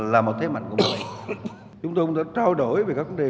là một thế mạnh của mọi người chúng tôi cũng đã trao đổi về các vấn đề